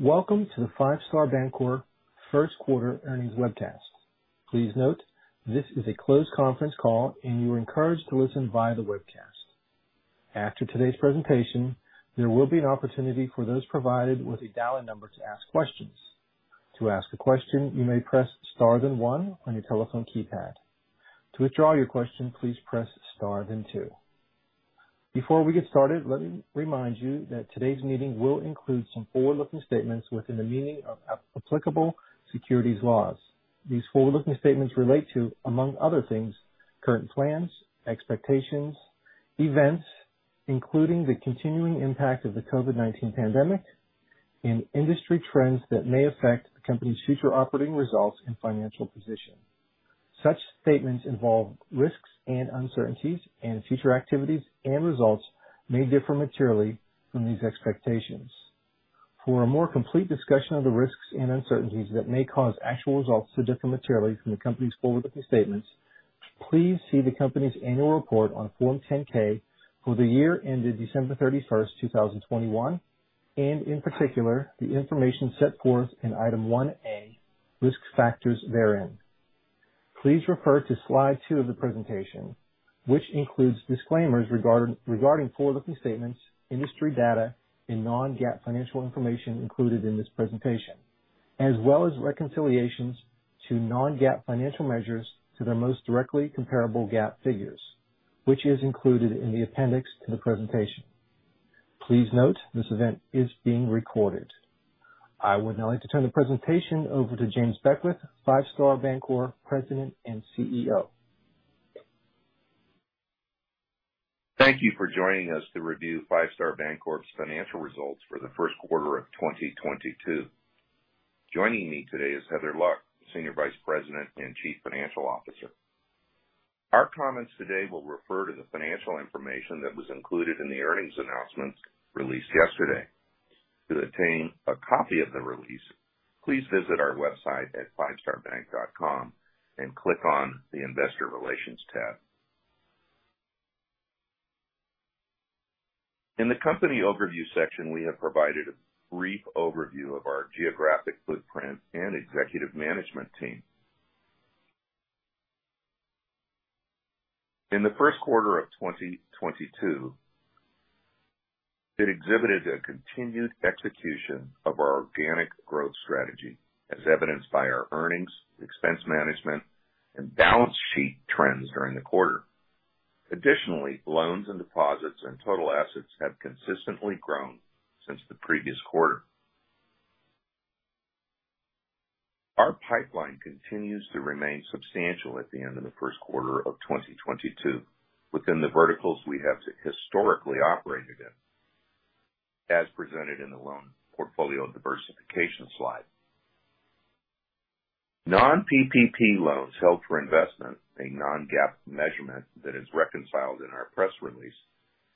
Welcome to the Five Star Bancorp first quarter earnings webcast. Please note this is a closed conference call and you are encouraged to listen via the webcast. After today's presentation, there will be an opportunity for those provided with a dial-in number to ask questions. To ask a question, you may press Star then one on your telephone keypad. To withdraw your question, please press Star then two. Before we get started, let me remind you that today's meeting will include some forward-looking statements within the meaning of applicable securities laws. These forward-looking statements relate to, among other things, current plans, expectations, events, including the continuing impact of the COVID-19 pandemic and industry trends that may affect the company's future operating results and financial position. Such statements involve risks and uncertainties, and future activities and results may differ materially from these expectations. For a more complete discussion of the risks and uncertainties that may cause actual results to differ materially from the company's forward-looking statements, please see the company's annual report on Form 10-K for the year ended December 31, 2021, and in particular, the information set forth in Item 1A Risk Factors therein. Please refer to slide two of the presentation, which includes disclaimers regarding forward-looking statements, industry data, and non-GAAP financial information included in this presentation, as well as reconciliations to non-GAAP financial measures to their most directly comparable GAAP figures, which is included in the appendix to the presentation. Please note this event is being recorded. I would now like to turn the presentation over to James Beckwith, Five Star Bancorp President and CEO. Thank you for joining us to review Five Star Bancorp's financial results for the first quarter of 2022. Joining me today is Heather Luck, Senior Vice President and Chief Financial Officer. Our comments today will refer to the financial information that was included in the earnings announcement released yesterday. To obtain a copy of the release, please visit our website at fivestarbank.com and click on the Investor Relations tab. In the company overview section, we have provided a brief overview of our geographic footprint and executive management team. In the first quarter of 2022, it exhibited a continued execution of our organic growth strategy, as evidenced by our earnings, expense management, and balance sheet trends during the quarter. Additionally, loans and deposits and total assets have consistently grown since the previous quarter. Our pipeline continues to remain substantial at the end of the first quarter of 2022 within the verticals we have historically operated in, as presented in the loan portfolio diversification slide. Non-PPP loans held for investment, a non-GAAP measurement that is reconciled in our press release,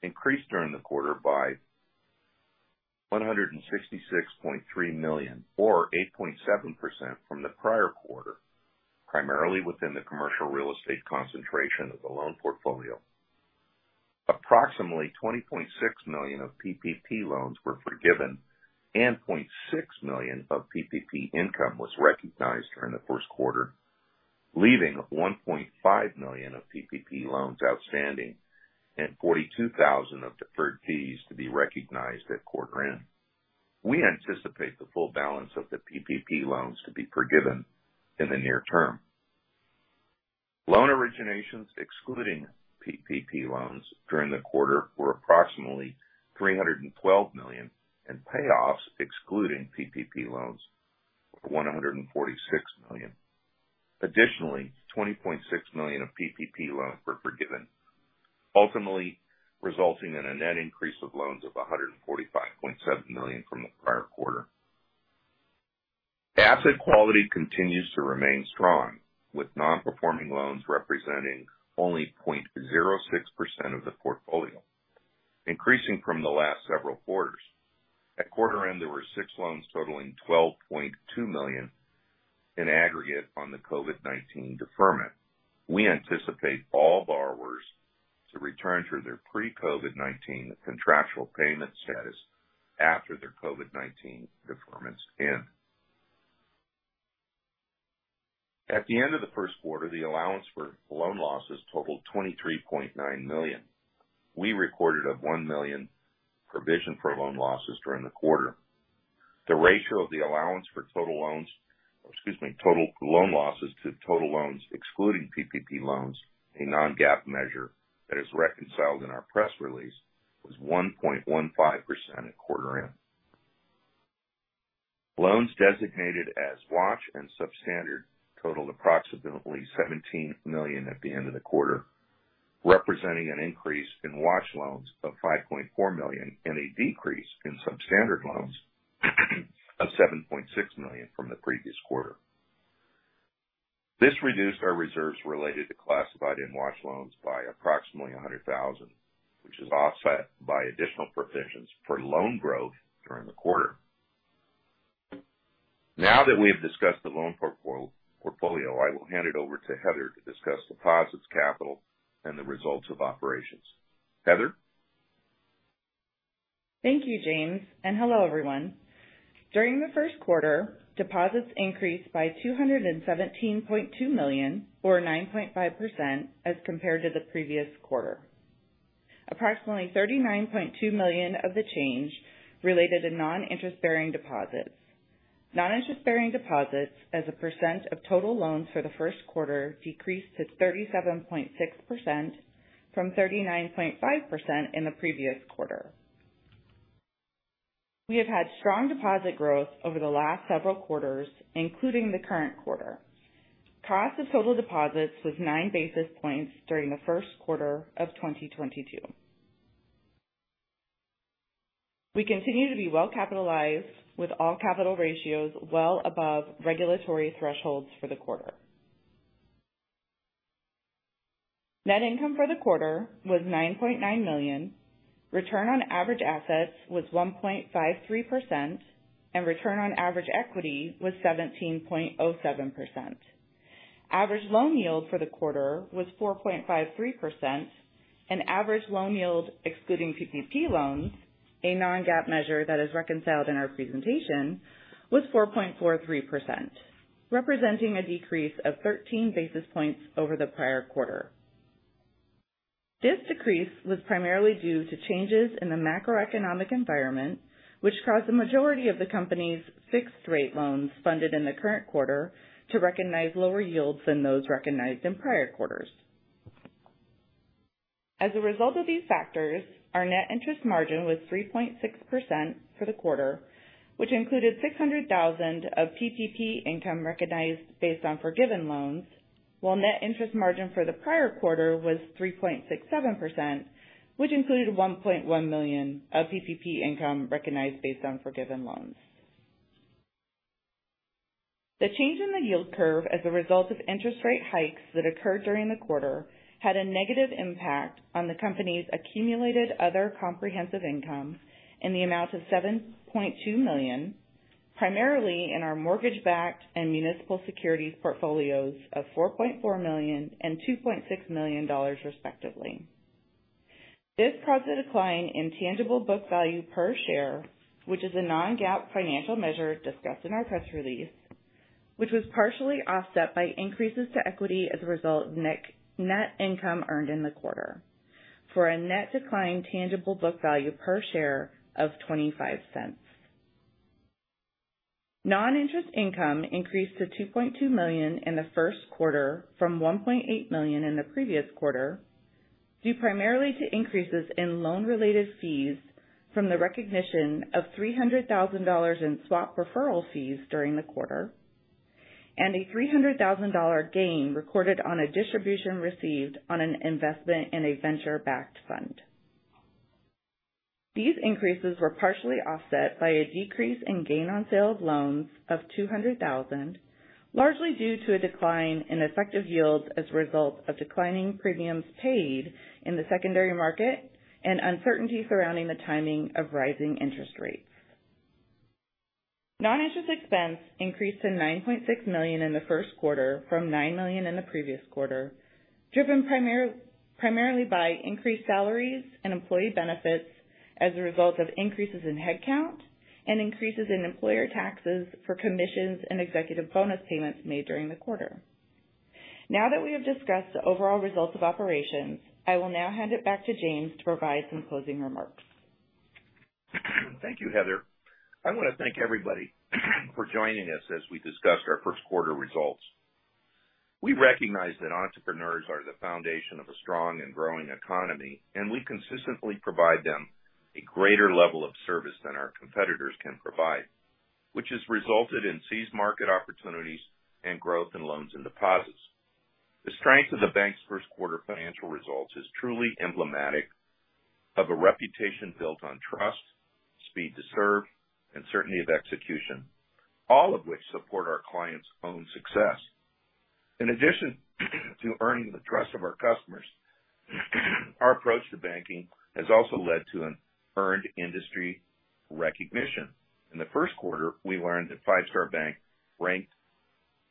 increased during the quarter by $166.3 million or 8.7% from the prior quarter, primarily within the commercial real estate concentration of the loan portfolio. Approximately $20.6 million of PPP loans were forgiven and $0.6 million of PPP income was recognized during the first quarter, leaving $1.5 million of PPP loans outstanding and $42,000 of deferred fees to be recognized at quarter end. We anticipate the full balance of the PPP loans to be forgiven in the near term. Loan originations excluding PPP loans during the quarter were approximately $312 million, and payoffs excluding PPP loans $146 million. Additionally, $20.6 million of PPP loans were forgiven, ultimately resulting in a net increase of loans of $145.7 million from the prior quarter. Asset quality continues to remain strong, with non-performing loans representing only 0.06% of the portfolio, increasing from the last several quarters. At quarter end, there were 6 loans totaling $12.2 million in aggregate on the COVID-19 deferment. We anticipate all borrowers to return to their pre-COVID-19 contractual payment status after their COVID-19 deferments end. At the end of the first quarter, the allowance for loan losses totaled $23.9 million. We recorded a $1 million provision for loan losses during the quarter. The ratio of the allowance for total loan losses to total loans excluding PPP loans, a non-GAAP measure that is reconciled in our press release, was 1.15% at quarter end. Loans designated as watch and substandard totaled approximately $17 million at the end of the quarter, representing an increase in watch loans of $5.4 million and a decrease in substandard loans of $7.6 million from the previous quarter. This reduced our reserves related to classified and watch loans by approximately $100,000, which is offset by additional provisions for loan growth during the quarter. Now that we have discussed the loan portfolio, I will hand it over to Heather to discuss deposits, capital, and the results of operations. Heather? Thank you, James, and hello, everyone. During the first quarter, deposits increased by $217.2 million or 9.5% as compared to the previous quarter. Approximately $39.2 million of the change related to non-interest-bearing deposits. Non-interest-bearing deposits as a percent of total loans for the first quarter decreased to 37.6% from 39.5% in the previous quarter. We have had strong deposit growth over the last several quarters, including the current quarter. Cost of total deposits was 9 basis points during the first quarter of 2022. We continue to be well capitalized with all capital ratios well above regulatory thresholds for the quarter. Net income for the quarter was $9.9 million. Return on average assets was 1.53%, and return on average equity was 17.07%. Average loan yield for the quarter was 4.53%, and average loan yield excluding PPP loans, a non-GAAP measure that is reconciled in our presentation, was 4.43%, representing a decrease of 13 basis points over the prior quarter. This decrease was primarily due to changes in the macroeconomic environment, which caused the majority of the company's fixed rate loans funded in the current quarter to recognize lower yields than those recognized in prior quarters. As a result of these factors, our net interest margin was 3.6% for the quarter, which included $600,000 of PPP income recognized based on forgiven loans, while net interest margin for the prior quarter was 3.67%, which included $1.1 million of PPP income recognized based on forgiven loans. The change in the yield curve as a result of interest rate hikes that occurred during the quarter had a negative impact on the company's accumulated other comprehensive income in the amount of $7.2 million, primarily in our mortgage-backed and municipal securities portfolios of $4.4 million and $2.6 million, respectively. This caused a decline in tangible book value per share, which is a non-GAAP financial measure discussed in our press release, which was partially offset by increases to equity as a result of net income earned in the quarter for a net decline in tangible book value per share of $0.25. Non-interest income increased to $2.2 million in the first quarter from $1.8 million in the previous quarter, due primarily to increases in loan-related fees from the recognition of $300,000 in swap referral fees during the quarter and a $300,000 gain recorded on a distribution received on an investment in a venture-backed fund. These increases were partially offset by a decrease in gain on sale of loans of $200,000, largely due to a decline in effective yield as a result of declining premiums paid in the secondary market and uncertainty surrounding the timing of rising interest rates. Non-interest expense increased to $9.6 million in the first quarter from $9 million in the previous quarter, driven primarily by increased salaries and employee benefits as a result of increases in headcount and increases in employer taxes for commissions and executive bonus payments made during the quarter. Now that we have discussed the overall results of operations, I will now hand it back to James to provide some closing remarks. Thank you, Heather. I wanna thank everybody for joining us as we discussed our first quarter results. We recognize that entrepreneurs are the foundation of a strong and growing economy, and we consistently provide them a greater level of service than our competitors can provide, which has resulted in seized market opportunities and growth in loans and deposits. The strength of the bank's first quarter financial results is truly emblematic of a reputation built on trust, speed to serve, and certainty of execution, all of which support our clients' own success. In addition to earning the trust of our customers, our approach to banking has also led to an earned industry recognition. In the first quarter, we learned that Five Star Bank ranked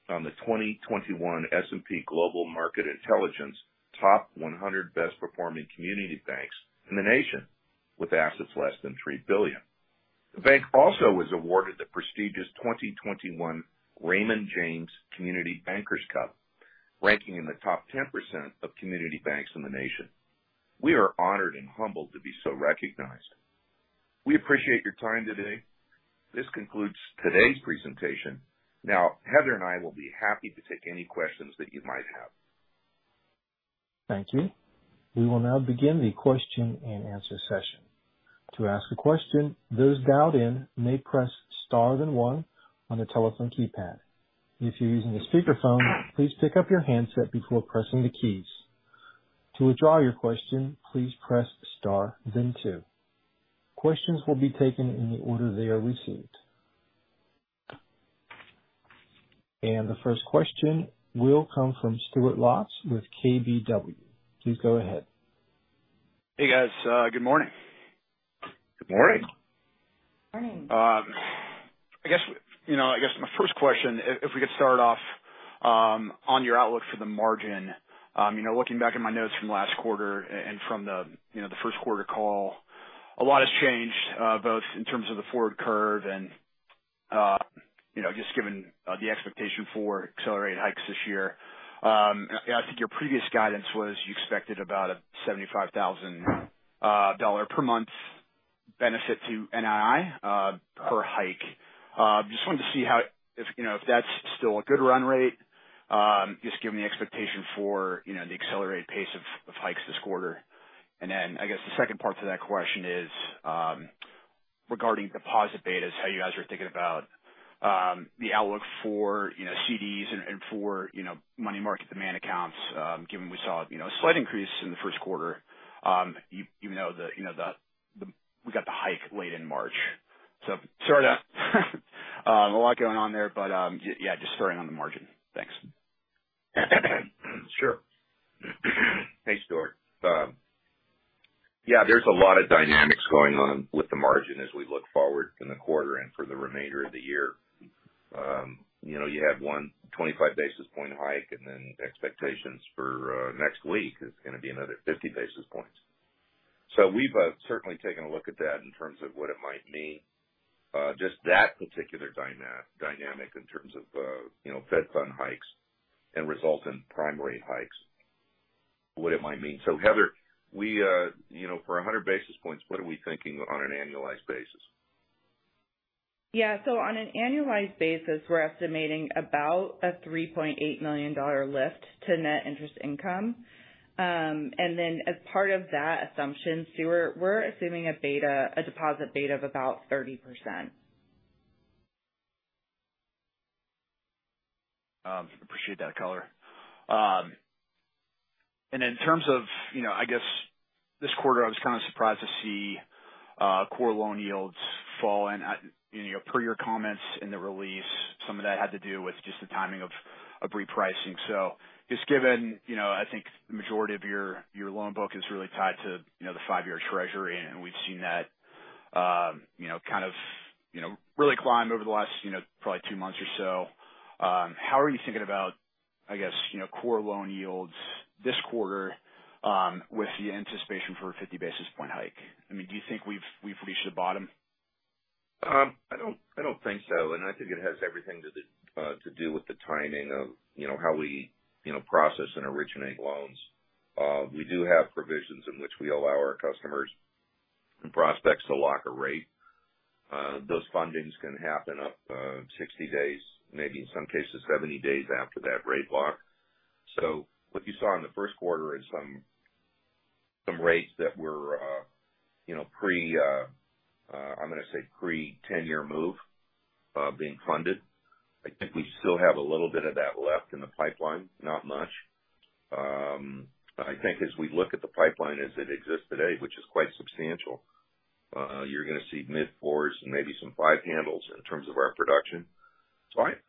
on the 2021 S&P Global Market Intelligence Top 100 Best Performing Community Banks in the nation with assets less than $3 billion. The bank also was awarded the prestigious 2021 Raymond James Community Bankers Cup, ranking in the top 10% of community banks in the nation. We are honored and humbled to be so recognized. We appreciate your time today. This concludes today's presentation. Now, Heather and I will be happy to take any questions that you might have. Thank you. We will now begin the question and answer session. To ask a question, those dialed in may press star then one on the telephone keypad. If you're using a speakerphone, please pick up your handset before pressing the keys. To withdraw your question, please press star then two. Questions will be taken in the order they are received. The first question will come from Stuart Lotz with KBW. Please go ahead. Hey, guys. Good morning. Good morning. Morning. I guess, you know, my first question, if we could start off on your outlook for the margin. You know, looking back at my notes from last quarter and from the, you know, the first quarter call, a lot has changed, both in terms of the forward curve and, you know, just given the expectation for accelerated hikes this year. I think your previous guidance was you expected about a $75,000 per month benefit to NII per hike. Just wanted to see how, if you know, if that's still a good run rate, just given the expectation for, you know, the accelerated pace of hikes this quarter. I guess the second part to that question is regarding deposit betas, how you guys are thinking about the outlook for, you know, CDs and for, you know, money market demand accounts, given we saw, you know, a slight increase in the first quarter. Even though we got the hike late in March. Sort of a lot going on there, but yeah, just starting on the margin. Thanks. Sure. Thanks, Stuart. Yeah, there's a lot of dynamics going on with the margin as we look forward in the quarter and for the remainder of the year. You know, you had 125 basis point hike, and then expectations for next week is gonna be another 50 basis points. We've certainly taken a look at that in terms of what it might mean. Just that particular dynamic in terms of you know, Fed Funds hikes and resulting in prime hikes, what it might mean. Heather, we you know, for 100 basis points, what are we thinking on an annualized basis? Yeah. On an annualized basis, we're estimating about a $3.8 million lift to net interest income. Then as part of that assumption, Stuart, we're assuming a beta, a deposit beta of about 30%. Appreciate that color. In terms of, you know, I guess this quarter, I was kind of surprised to see core loan yields fall. You know, per your comments in the release, some of that had to do with just the timing of repricing. Just given, you know, I think the majority of your loan book is really tied to, you know, the five-year Treasury, and we've seen that, you know, kind of, you know, really climb over the last, you know, probably two months or so. How are you thinking about, I guess, you know, core loan yields this quarter, with the anticipation for a 50 basis point hike? I mean, do you think we've reached the bottom? I don't think so. I think it has everything to do with the timing of how we process and originate loans. We do have provisions in which we allow our customers and prospects to lock a rate. Those fundings can happen up 60 days, maybe in some cases 70 days after that rate lock. What you saw in the first quarter is some rates that were, you know, pre 10-year move being funded. I think we still have a little bit of that left in the pipeline. Not much. I think as we look at the pipeline as it exists today, which is quite substantial, you're gonna see mid-fours and maybe some five handles in terms of our production.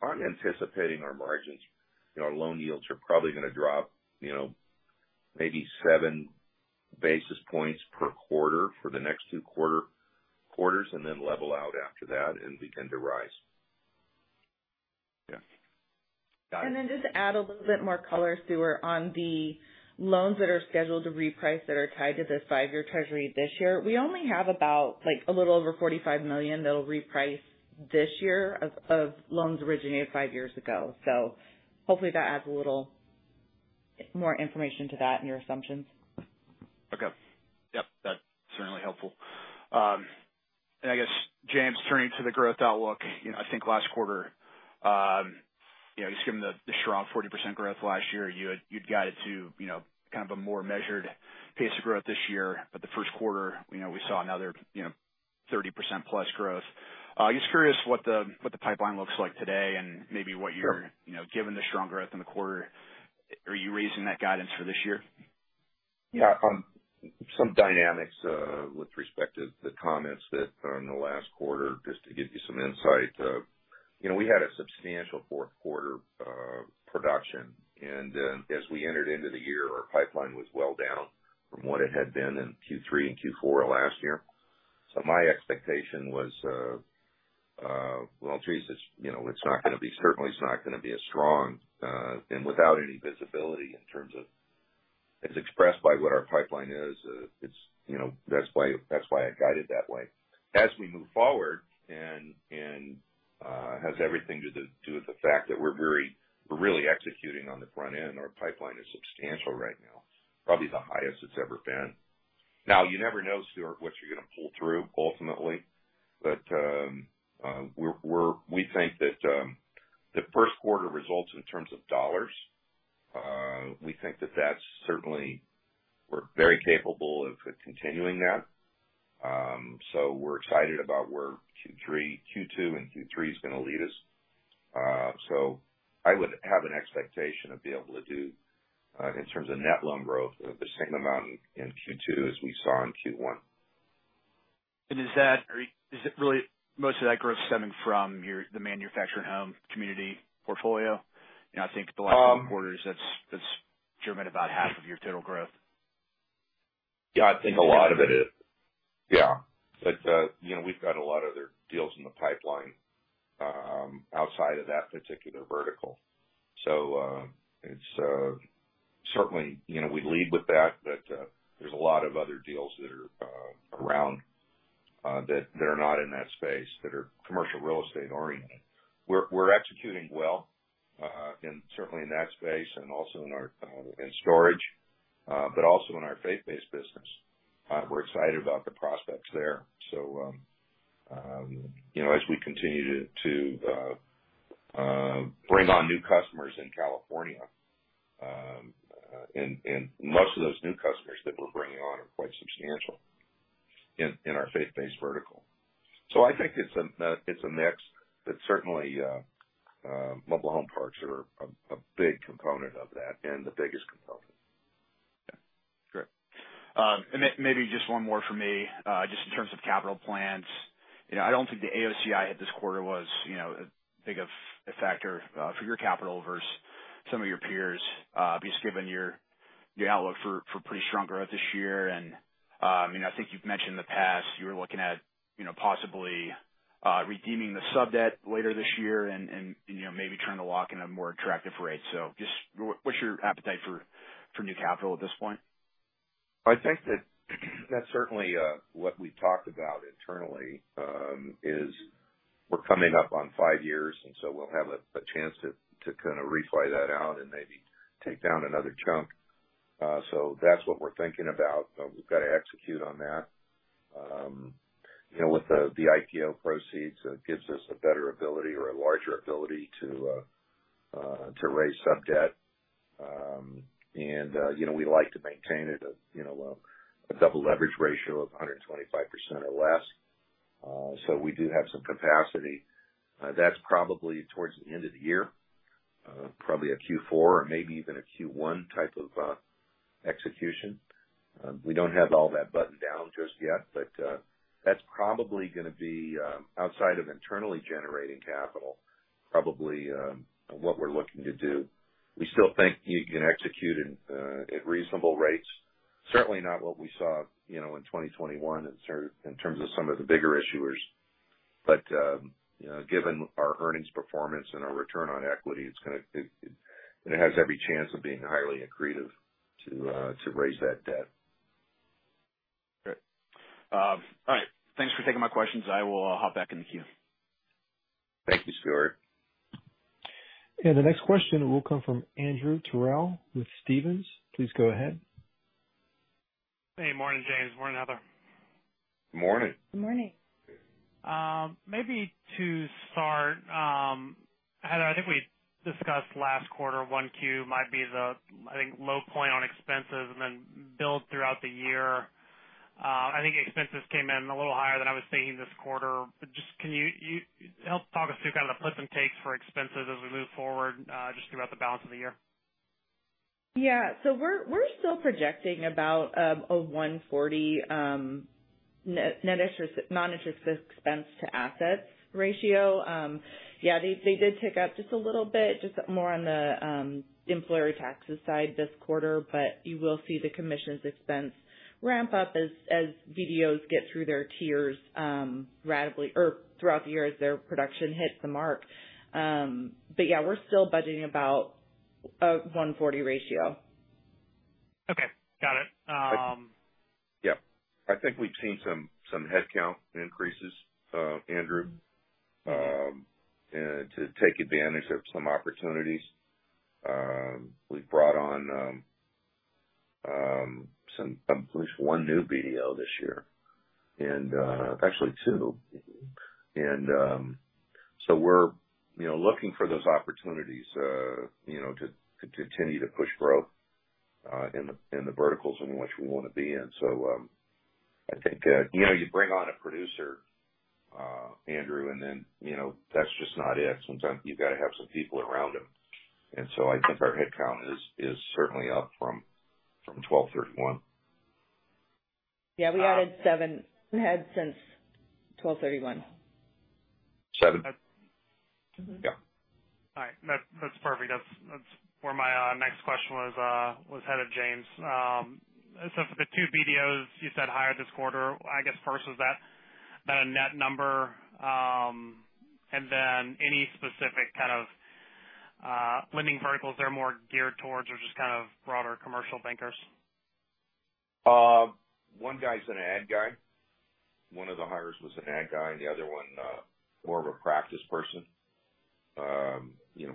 I'm anticipating our margins. You know, our loan yields are probably gonna drop, you know, maybe seven basis points per quarter for the next two quarters, and then level out after that and begin to rise. Yeah. Got it. Just to add a little bit more color, Stuart, on the loans that are scheduled to reprice that are tied to this five-year Treasury this year. We only have about, like, a little over $45 million that'll reprice this year of loans originated five years ago. Hopefully that adds a little more information to that in your assumptions. Okay. Yep, that's certainly helpful. I guess, James, turning to the growth outlook, you know, I think last quarter, you know, just given the strong 40% growth last year, you'd guided to, you know, kind of a more measured pace of growth this year. The first quarter, you know, we saw another, you know, 30%+ growth. Just curious what the pipeline looks like today and maybe what you're- Sure. You know, given the strong growth in the quarter, are you raising that guidance for this year? Yeah. Some dynamics with respect to the comments that are in the last quarter, just to give you some insight. You know, we had a substantial fourth quarter production, and as we entered into the year, our pipeline was well down from what it had been in Q3 and Q4 last year. My expectation was, well, geez, it's, you know, it's not gonna be, certainly, it's not gonna be as strong, and without any visibility in terms of as expressed by what our pipeline is. It's, you know, that's why I guided that way. As we move forward, it has everything to do with the fact that we're really executing on the front end. Our pipeline is substantial right now, probably the highest it's ever been. Now, you never know, Stuart, what you're gonna pull through ultimately, but we think that the first quarter results in terms of dollars, we think that that's certainly, we're very capable of continuing that. We're excited about where Q2 and Q3 is gonna lead us. I would have an expectation of being able to do, in terms of net loan growth, the same amount in Q2 as we saw in Q1. Is that, or is it really most of that growth stemming from your, the manufactured home community portfolio? You know, I think the last few quarters that's driven about half of your total growth. Yeah, I think a lot of it is. Yeah. You know, we've got a lot of other deals in the pipeline, outside of that particular vertical. It's certainly, you know, we lead with that, but there's a lot of other deals that are around, that are not in that space, that are commercial real estate oriented. We're executing well, certainly in that space and also in our, in storage, but also in our faith-based business. We're excited about the prospects there. You know, as we continue to bring on new customers in California, and most of those new customers that we're bringing on are quite substantial in our faith-based vertical. I think it's a mix, but certainly mobile home parks are a big component of that and the biggest component. Yeah. Sure. Maybe just one more from me, just in terms of capital plans. You know, I don't think the AOCI hit this quarter was, you know, as big of a factor for your capital versus some of your peers, just given your outlook for pretty strong growth this year. I mean, I think you've mentioned in the past you were looking at, you know, possibly redeeming the sub-debt later this year and, you know, maybe trying to lock in a more attractive rate. So just what's your appetite for new capital at this point? I think that certainly what we've talked about internally is we're coming up on five years, and so we'll have a chance to kinda refi that out and maybe take down another chunk. That's what we're thinking about. We've gotta execute on that. You know, with the IPO proceeds, it gives us a better ability or a larger ability to raise sub-debt. You know, we like to maintain at a a double leverage ratio of 125% or less. We do have some capacity. That's probably towards the end of the year, probably a Q4 or maybe even a Q1 type of execution. We don't have all that buttoned down just yet, but that's probably gonna be, outside of internally generating capital, probably, what we're looking to do. We still think you can execute it at reasonable rates. Certainly not what we saw, you know, in 2021 in terms of some of the bigger issuers. But you know, given our earnings performance and our return on equity, it has every chance of being highly accretive to raise that debt. Great. All right. Thanks for taking my questions. I will hop back in the queue. Thank you, Stuart. The next question will come from Andrew Terrell with Stephens. Please go ahead. Hey, morning, James. Morning, Heather. Morning. Morning. Maybe to start, Heather, I think we discussed last quarter, 1Q might be the, I think, low point on expenses and then build throughout the year. I think expenses came in a little higher than I was thinking this quarter, but just can you help talk us through kind of the puts and takes for expenses as we move forward, just throughout the balance of the year? Yeah. We're still projecting about a 1.40 noninterest expense-to-assets ratio. Yeah, they did tick up just a little bit, just more on the employer taxes side this quarter, but you will see the commissions expense ramp up as BDOs get through their tiers or throughout the year as their production hits the mark. Yeah, we're still budgeting about a 1.40 ratio. Okay. Got it. Yeah. I think we've seen some headcount increases, Andrew, to take advantage of some opportunities. We've brought on at least one new BDO this year, and actually two. We're you know looking for those opportunities, you know, to continue to push growth in the verticals in which we wanna be in. I think you know you bring on a producer, Andrew, and then, you know, that's just not it. Sometimes you've gotta have some people around him. I think our headcount is certainly up from 12/31. Yeah. We added seven heads since 12/31. Seven? Mm-hmm. Yeah. All right. That's perfect. That's where my next question was headed, James. For the 2 BDOs you said hired this quarter, I guess first, was that a net number? Then any specific kind of lending verticals they're more geared towards or just kind of broader commercial bankers? One guy's an ag guy. One of the hires was an ag guy, and the other one, more of a practice person. You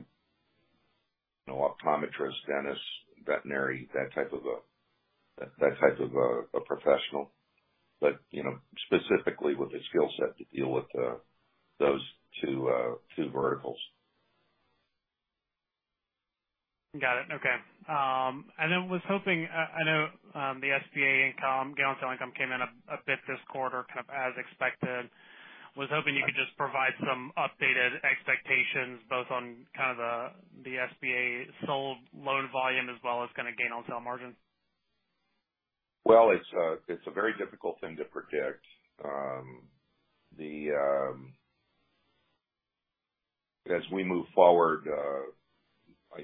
know, optometrist, dentist, veterinary, that type of a professional. You know, specifically with the skill set to deal with those two verticals. Got it. Okay. I know the SBA income, guaranteed income came in a bit this quarter, kind of as expected. I was hoping you could just provide some updated expectations both on kind of the SBA sold loan volume as well as kind of gain on sale margin. Well, it's a very difficult thing to predict. As we move forward, I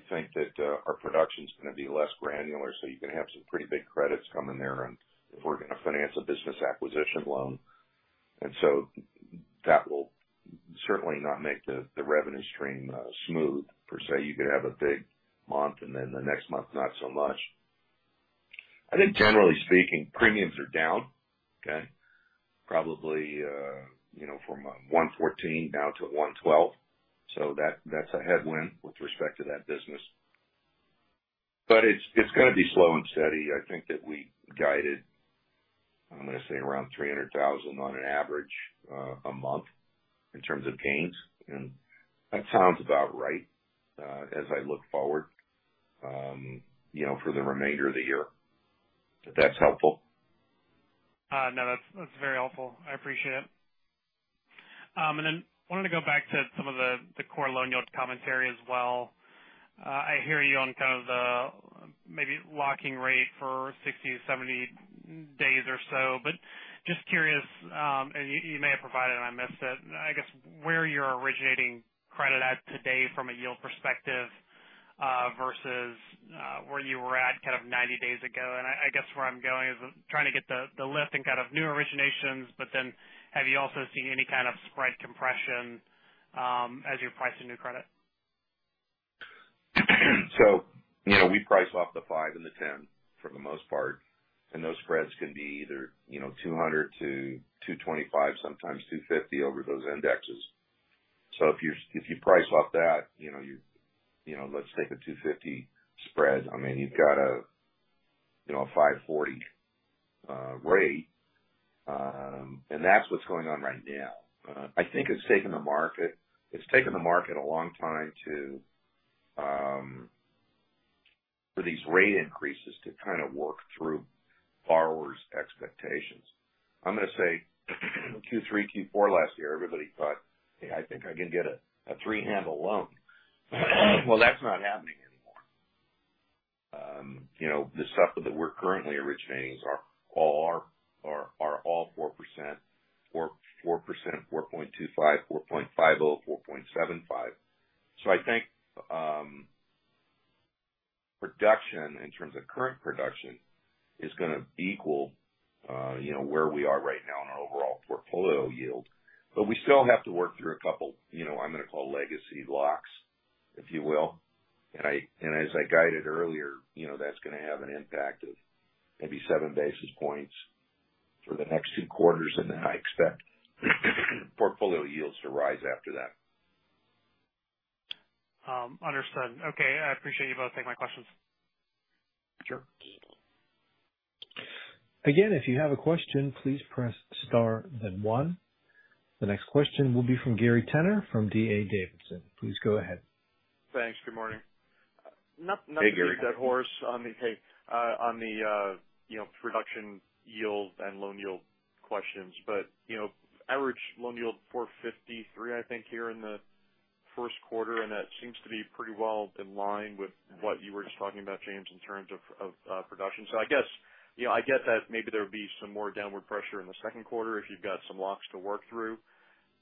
think that our production's gonna be less granular, so you can have some pretty big credits come in there and if we're gonna finance a business acquisition loan. That will certainly not make the revenue stream smooth per se. You could have a big month and then the next month not so much. I think generally speaking, premiums are down, okay? Probably from 1.14% down to 1.12%. That's a headwind with respect to that business. It's gonna be slow and steady. I think that we guided, I'm gonna say around $300,000 on average a month in terms of gains. That sounds about right, as I look forward, you know, for the remainder of the year. If that's helpful. No, that's very helpful. I appreciate it. Then wanted to go back to some of the core loan yield commentary as well. I hear you on kind of the maybe locking rate for 60, 70 days or so, but just curious, and you may have provided and I missed it. I guess where you're originating credit at today from a yield perspective, versus where you were at kind of 90 days ago. I guess where I'm going is trying to get the lift in kind of new originations, but then have you also seen any kind of spread compression, as you price a new credit? You know, we price off the 5 and the 10 for the most part, and those spreads can be either, you know, 200-225, sometimes 250 over those indexes. If you price off that, you know, let's take a 250 spread. I mean, you've got a, you know, a 5.40 rate. And that's what's going on right now. I think it's taken the market a long time for these rate increases to kind of work through borrowers' expectations. I'm gonna say Q3, Q4 last year, everybody thought, "Hey, I think I can get a three-handle loan." Well, that's not happening anymore. You know, the stuff that we're currently originating are all 4% or 4.25%, 4.50%, 4.75%. So I think production in terms of current production is gonna equal, you know, where we are right now in our overall portfolio yield. But we still have to work through a couple, you know, I'm gonna call legacy blocks, if you will. As I guided earlier, you know, that's gonna have an impact of maybe 7 basis points for the next two quarters, and then I expect portfolio yields to rise after that. Understood. Okay, I appreciate you both taking my questions. Sure. Again, if you have a question, please press star then one. The next question will be from Gary Tenner from D.A. Davidson. Please go ahead. Thanks. Good morning. Hey, Gary. Not to beat a dead horse on the production yield and loan yield questions, but you know, average loan yield 4.53% here in the first quarter, I think, and that seems to be pretty well in line with what you were just talking about, James, in terms of production. I guess you know, I get that maybe there would be some more downward pressure in the second quarter if you've got some locks to work through.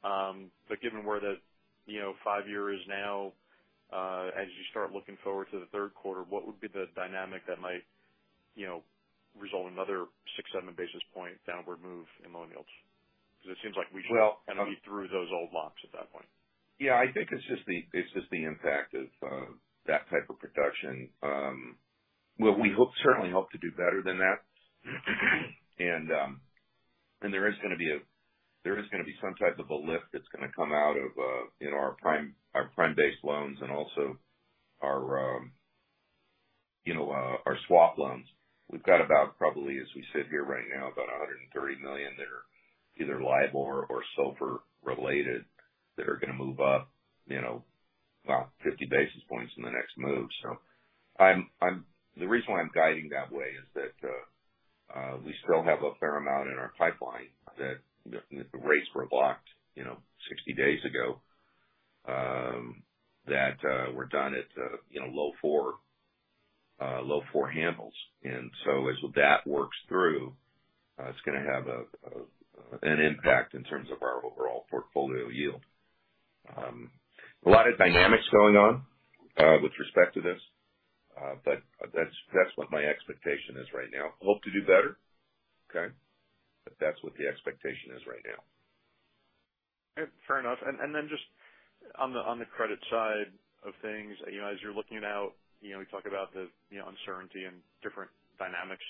But given where the you know, five-year is now, as you start looking forward to the third quarter, what would be the dynamic that might you know, result in another 6-7 basis point downward move in loan yields? Because it seems like we should- Well, I'm- Be through those old locks at that point. Yeah, I think it's just the impact of that type of production. Well, we certainly hope to do better than that. There is gonna be some type of a lift that's gonna come out of you know our prime-based loans and also our swap loans. We've got about probably, as we sit here right now, about $130 million that are either LIBOR or SOFR related that are gonna move up you know about 50 basis points in the next move. So I'm The reason why I'm guiding that way is that we still have a fair amount in our pipeline that the rates were locked, you know, 60 days ago, that were done at, you know, low four handles. As that works through, it's gonna have an impact in terms of our overall portfolio yield. A lot of dynamics going on with respect to this. That's what my expectation is right now. Hope to do better, okay? That's what the expectation is right now. Fair enough. Then just on the credit side of things, you know, as you're looking out, you know, we talk about the uncertainty and different dynamics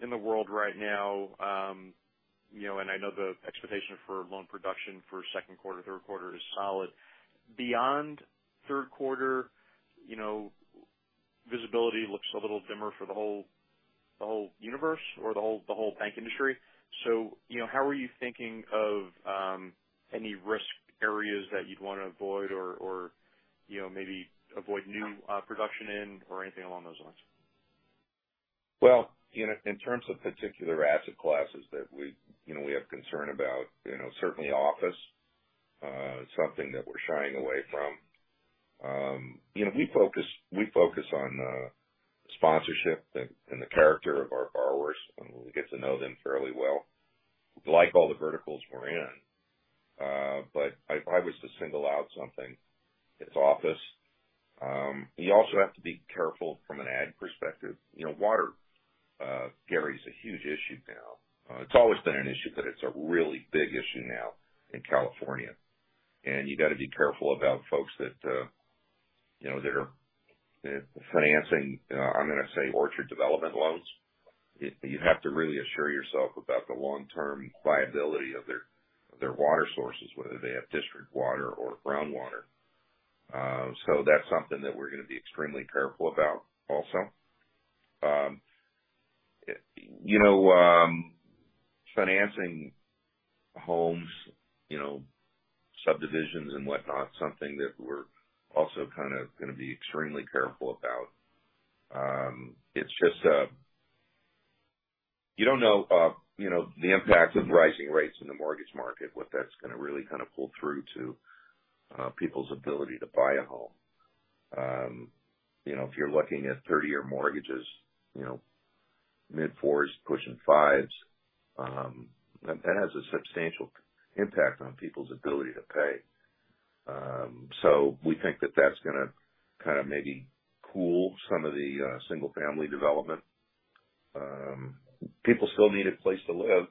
in the world right now. You know, I know the expectation for loan production for second quarter, third quarter is solid. Beyond third quarter, you know, visibility looks a little dimmer for the whole universe or the whole bank industry. You know, how are you thinking of any risk areas that you'd wanna avoid or, you know, maybe avoid new production in or anything along those lines? You know, in terms of particular asset classes that we, you know, we have concern about, you know, certainly office, something that we're shying away from. You know, we focus on sponsorship and the character of our borrowers, and we get to know them fairly well. We like all the verticals we're in. If I was to single out something, it's office. You also have to be careful from an ag perspective. You know, water, Gary, is a huge issue now. It's always been an issue, but it's a really big issue now in California. You gotta be careful about folks that you know that are financing, I'm gonna say orchard development loans. You have to really assure yourself about the long-term viability of their water sources, whether they have district water or groundwater. That's something that we're gonna be extremely careful about also. You know, financing homes, you know, subdivisions and whatnot, is something that we're also kinda gonna be extremely careful about. It's just, you don't know, you know, the impact of rising rates in the mortgage market, what that's gonna really kinda pull through to people's ability to buy a home. You know, if you're looking at 30-year mortgages, you know, mid-4s pushing 5s, that has a substantial impact on people's ability to pay. We think that that's gonna kinda maybe cool some of the single-family development. People still need a place to live,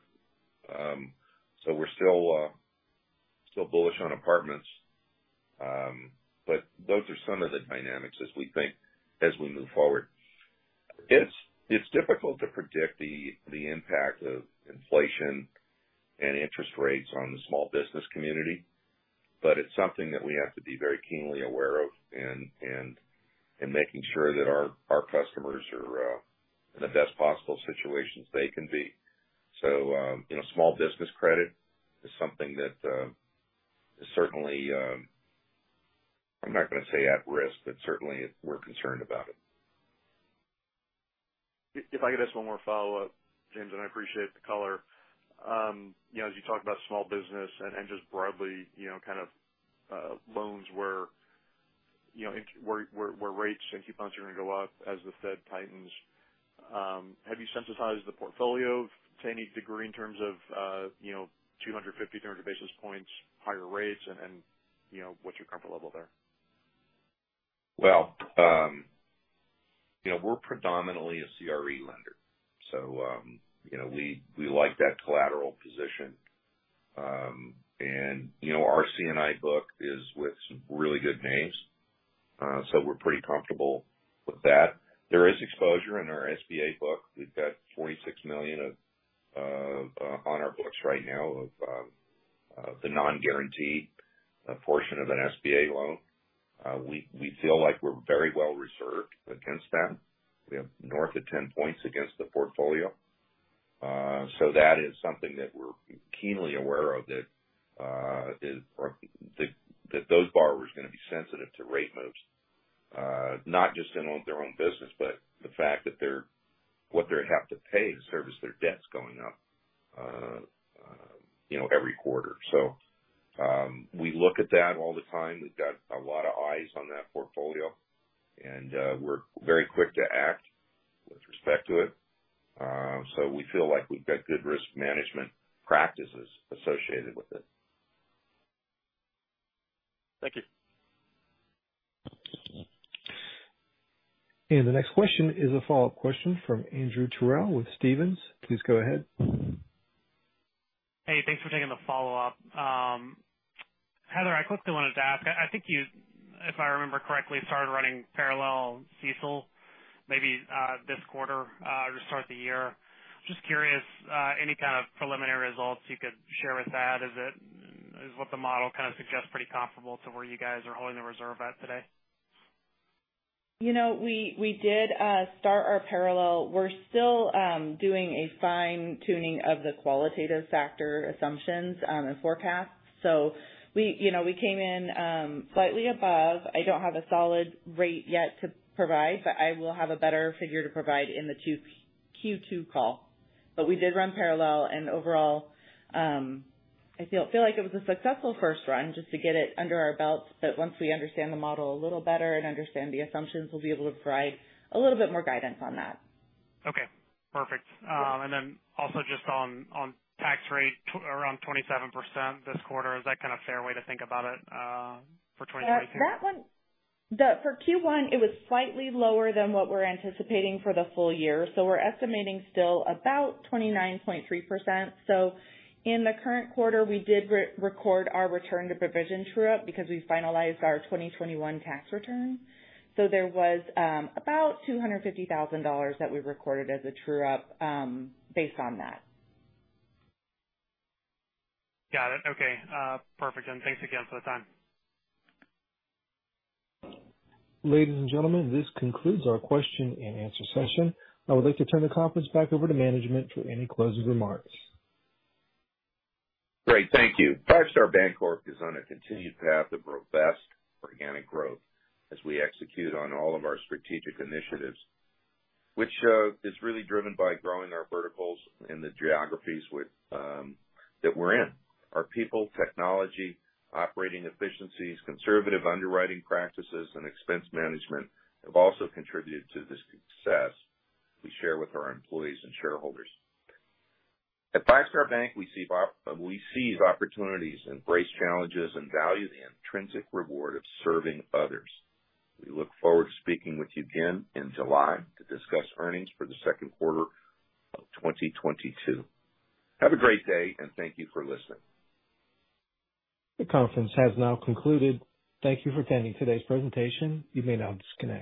so we're still bullish on apartments. Those are some of the dynamics as we think as we move forward. It's difficult to predict the impact of inflation and interest rates on the small business community, but it's something that we have to be very keenly aware of and making sure that our customers are in the best possible situations they can be. You know, small business credit is something that is certainly. I'm not gonna say at risk, but certainly we're concerned about it. If I could ask one more follow-up, James, and I appreciate the color. You know, as you talk about small business and just broadly, you know, kind of, loans where, you know, where rates and coupons are gonna go up as the Fed tightens, have you sensitized the portfolio to any degree in terms of, you know, 250, 300 basis points higher rates? You know, what's your comfort level there? Well, you know, we're predominantly a CRE lender, so, you know, we like that collateral position. You know, our C&I book is with some really good names, so we're pretty comfortable with that. There is exposure in our SBA book. We've got $46 million on our books right now of the non-guaranteed portion of an SBA loan. We feel like we're very well reserved against them. We have north of 10% against the portfolio. So that is something that we're keenly aware of, that those borrowers are gonna be sensitive to rate moves, not just in their own business, but the fact that they're what they'd have to pay to service their debts going up, you know, every quarter. We look at that all the time. We've got a lot of eyes on that portfolio, and we're very quick to act with respect to it. We feel like we've got good risk management practices associated with it. Thank you. The next question is a follow-up question from Andrew Terrell with Stephens. Please go ahead. Hey, thanks for taking the follow-up. Heather, I quickly wanted to ask, I think you, if I remember correctly, started running parallel CECL maybe, this quarter, or start of the year. Just curious, any kind of preliminary results you could share with that? Is what the model kinda suggests pretty comfortable to where you guys are holding the reserve at today? You know, we did start our parallel. We're still doing a fine-tuning of the qualitative factor assumptions and forecasts. We, you know, we came in slightly above. I don't have a solid rate yet to provide, but I will have a better figure to provide in the Q2 call. We did run parallel, and overall, I feel like it was a successful first run just to get it under our belts. Once we understand the model a little better and understand the assumptions, we'll be able to provide a little bit more guidance on that. Okay, perfect. Also just on tax rate, around 27% this quarter. Is that kind of fair way to think about it, for 2022? For Q1, it was slightly lower than what we're anticipating for the full year. We're estimating still about 29.3%. In the current quarter, we did re-record our return-to-provision true-up because we finalized our 2021 tax return. There was about $250,000 that we recorded as a true-up, based on that. Got it. Okay. Perfect. Thanks again for the time. Ladies and gentlemen, this concludes our question and answer session. I would like to turn the conference back over to management for any closing remarks. Great. Thank you. Five Star Bancorp is on a continued path of robust organic growth as we execute on all of our strategic initiatives, which is really driven by growing our verticals in the geographies with that we're in. Our people, technology, operating efficiencies, conservative underwriting practices, and expense management have also contributed to this success we share with our employees and shareholders. At Five Star Bank, we seize opportunities, embrace challenges, and value the intrinsic reward of serving others. We look forward to speaking with you again in July to discuss earnings for the second quarter of 2022. Have a great day, and thank you for listening. The conference has now concluded. Thank you for attending today's presentation. You may now disconnect.